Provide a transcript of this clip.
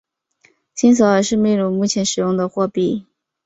新索尔是秘鲁目前使用的货币。